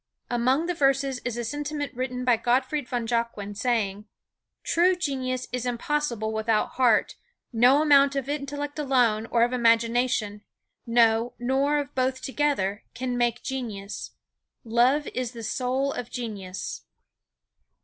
Among the verses is a sentiment written by Gottfried von Jacquin, saying: "True genius is impossible without heart; no amount of intellect alone or of imagination, no, nor of both together, can make genius. Love is the soul of genius."